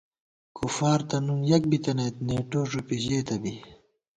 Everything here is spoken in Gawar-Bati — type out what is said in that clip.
کُفار تہ نُن یَک بِتَنَئیت، نېٹو ݫُپی ژېتہ بی